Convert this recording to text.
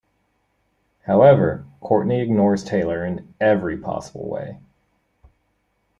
However, Courtney ignores Taylor in every possible way.